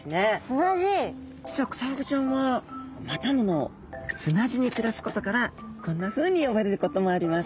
実はクサフグちゃんはまたの名を砂地に暮らすことからこんなふうに呼ばれることもあります。